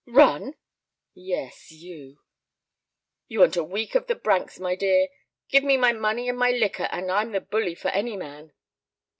"Run!" "Yes, you." "You want a week of the branks, my dear. Give me my money and my liquor, and I'm the bully for any man."